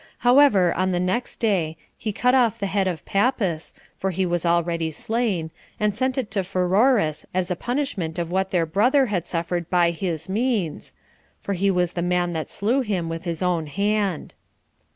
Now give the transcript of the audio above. However, on the next day, he cut off the head of Pappus, for he was already slain, and sent it to Pheroras, as a punishment of what their brother had suffered by his means, for he was the man that slew him with his own hand.